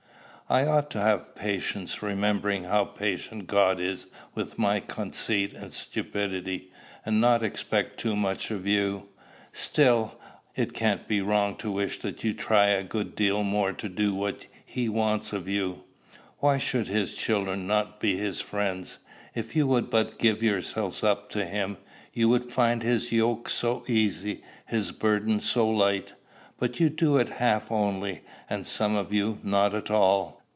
I ought to have patience, remembering how patient God is with my conceit and stupidity, and not expect too much of you. Still, it can't be wrong to wish that you tried a good deal more to do what he wants of you. Why should his children not be his friends? If you would but give yourselves up to him, you would find his yoke so easy, his burden so light! But you do it half only, and some of you not at all.